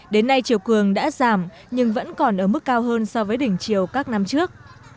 đến nay chiều cường đã giảm nhưng vẫn còn ở mức cao hơn so với đỉnh chiều các năm trước